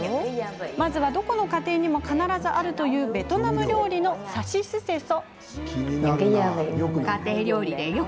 まずはどこの家庭にも必ずあるというベトナム料理のさしすせそ。